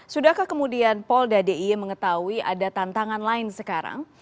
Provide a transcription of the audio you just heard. sudahkah kemudian polda d i e mengetahui ada tantangan lain sekarang